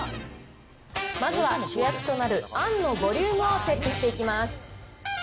まずは主役となるあんのボリュームをチェックしていきます。